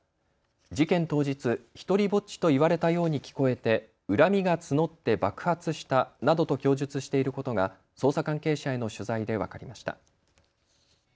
事件当日、独りぼっちと言われたように聞こえて恨みが募って爆発したなどと供述していることが捜査関係者への取材で分かりました。